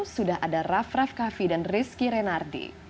sudah ada rafraf kavi dan rizky renardi